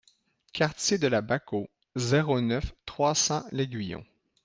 Quartier de la Baquo, zéro neuf, trois cents L'Aiguillon